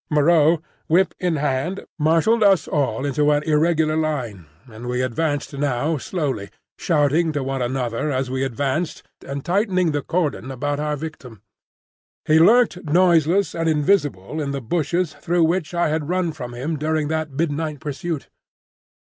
Moreau, whip in hand, marshalled us all into an irregular line, and we advanced now slowly, shouting to one another as we advanced and tightening the cordon about our victim. He lurked noiseless and invisible in the bushes through which I had run from him during that midnight pursuit.